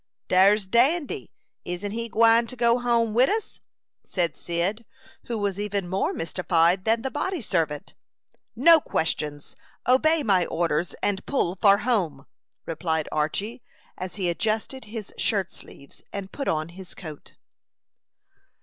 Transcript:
"Dar's Dandy. Isn't he gwine to go home wid us?" said Cyd, who was even more mystified than the body servant. "No questions! Obey my orders, and pull for home," replied Archy, as he adjusted his shirt sleeves and put on his coat.